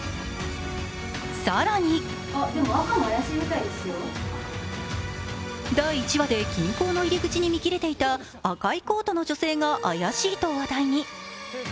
更に第１話で銀行の入り口に見きれていた赤いコートの女性が怪しいと話題に。